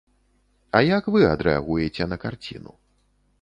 А як вы адрэагуеце на карціну?